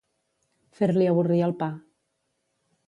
Fer-li avorrir el pa.